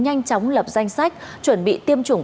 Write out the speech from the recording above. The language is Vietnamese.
nhanh chóng lập danh sách chuẩn bị tiêm chủng